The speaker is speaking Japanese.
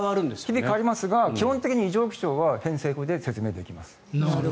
日々変わりますが基本的に異常気象は偏西風で説明できます。